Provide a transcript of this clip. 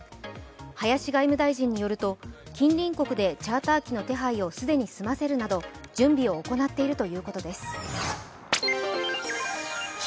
林外務大臣によると近隣国でチャーター機の手配を既に済ませるなど準備を行っているということです。